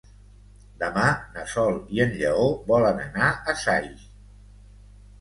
Demà na Sol i en Lleó volen anar a Saix.